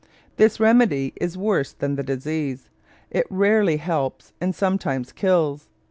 This remedy is worse than the disease. It rarely helps and sometimes kills.